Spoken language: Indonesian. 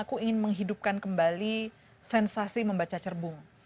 aku ingin menghidupkan kembali sensasi membaca cerbung